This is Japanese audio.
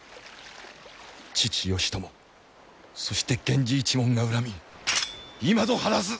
父義朝そして源氏一門が恨み今ぞ晴らす！